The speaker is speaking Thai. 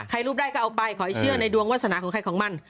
ใครรูปได้ก็เอาไปขอไอ้เชื่อในดวงวัสหนาคงให้ของมัน